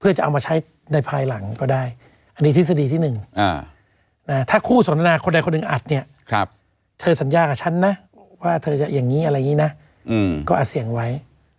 เพื่อจะเอามาใช้ในภายหลังก็ได้